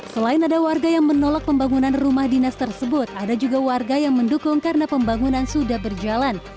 selain ada warga yang menolak pembangunan rumah dinas tersebut ada juga warga yang mendukung karena pembangunan sudah berjalan